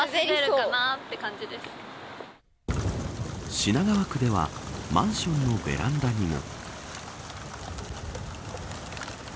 品川区ではマンションのベランダにも。